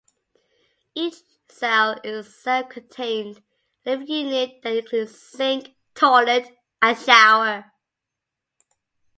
Each cell is a self-contained living unit that includes sink, toilet, and shower.